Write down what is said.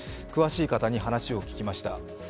詳しい方に話を聞きました。